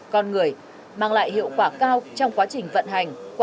con người mang lại hiệu quả các thông tin